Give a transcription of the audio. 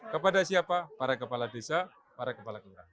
kepada siapa para kepala desa para kepala kelurahan